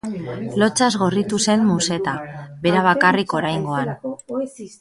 Lotsaz gorritu zen Musetta, bera bakarrik oraingoan.